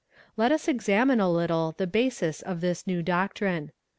Let us examine a little the basis of this new doctrine.